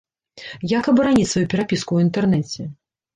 Як абараніць сваю перапіску ў інтэрнэце?